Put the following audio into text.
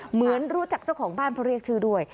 เหมือนรู้จักเจ้าของบ้านเพราะเรียกชื่อด้วย